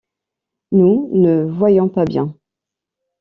Nous ne voyions pas bien.